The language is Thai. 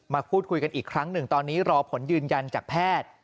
พูดคุยกันอีกครั้งหนึ่งตอนนี้รอผลยืนยันจากแพทย์